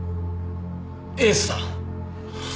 エースだ。